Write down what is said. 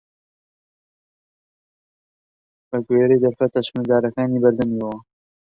بە گوێرەی دەرفەتە سنووردارەکانی بەردەمیەوە